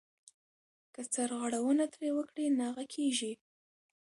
که سرغړونه ترې وکړې ناغه کېږې .